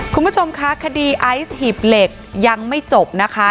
คุณผู้ชมคะคดีไอซ์หีบเหล็กยังไม่จบนะคะ